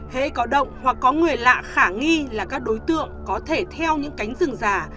hãy có động hoặc có người lạ khả nghi là các đối tượng có thể theo những cánh rừng già